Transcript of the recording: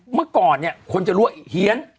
เมื่อก่อนเนี่ยคนจะรู้ว่าเฮียน